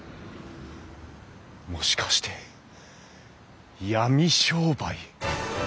もしかして闇商売。